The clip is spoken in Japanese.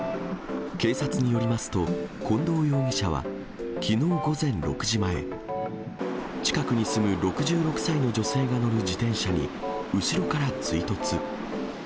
警察によりますと、近藤容疑者はきのう午前６時前、近くに住む６６歳の女性が乗る自転車に、後ろから追突。